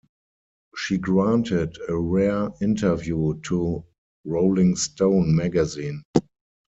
She granted a rare interview to "Rolling Stone" magazine.